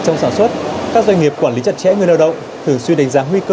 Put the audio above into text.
trong sản xuất các doanh nghiệp quản lý chặt chẽ người lao động thường xuyên đánh giá nguy cơ